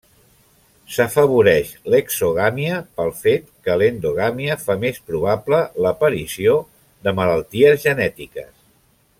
S'afavoreix l'exogàmia pel fet que l'endogàmia fa més probable l'aparició de malalties genètiques.